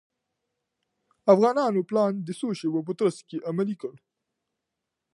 افغانانو پلان د څو شېبو په ترڅ کې عملي کړ.